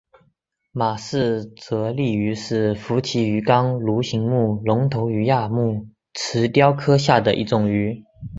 马氏蛰丽鱼是辐鳍鱼纲鲈形目隆头鱼亚目慈鲷科下的一种鱼。